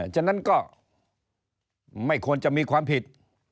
ฉะนั้นก็ไม่ควรจะมีความผิด